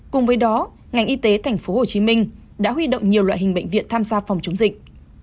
cùng với đó ngành y tế thành phố hồ chí minh đã huy động nhiều loại hình bệnh viện tham gia phòng chống dịch